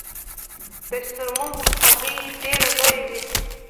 د شترمرغ هګۍ ډیره لویه وي